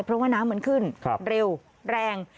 เพราะว่าน้ำมันขึ้นเร็วแรง